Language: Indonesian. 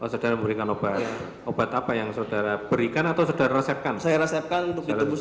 saudara berikan obat obat apa yang saudara berikan atau sudah resepkan saya resepkan untuk di tembus